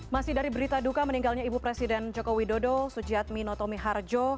masih dari berita duka meninggalnya ibu presiden joko widodo sujiatmi notomi harjo